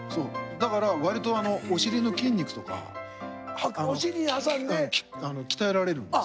だからわりとお尻の筋肉とか鍛えられるんです。